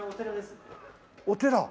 お寺？